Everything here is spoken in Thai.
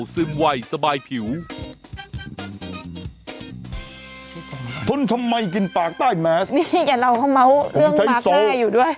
ทุนทำไมกินปากใต้แมสผมใช้โซลนี่แกเราก็เมาส์เครื่องมาสใต้อยู่ด้วย